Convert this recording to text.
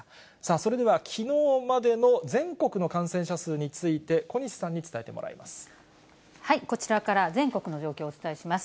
それではきのうまでの全国の感染者数について、小西さんに伝えてこちらから全国の状況をお伝えします。